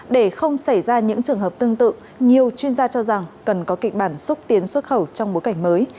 để không xảy ra những trường hợp tương tự nhiều chuyên gia cho rằng cần có kịch bản xúc tiến xuất khẩu trong bối cảnh mới